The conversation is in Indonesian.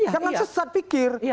jangan sesat pikir